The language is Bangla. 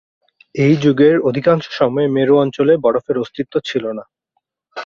এই যুগের অধিকাংশ সময়ে মেরু অঞ্চলে বরফের অস্তিত্ব ছিল না।